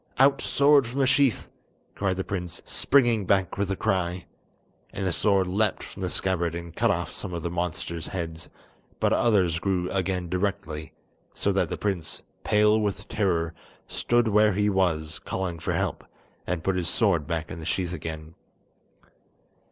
"Out sword from the sheath," cried the prince, springing back with a cry. And the sword leapt from the scabbard and cut off some of the monster's heads, but others grew again directly, so that the prince, pale with terror, stood where he was, calling for help, and put his sword back in the sheath again.